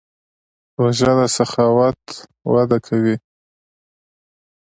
روژه د سخاوت وده کوي.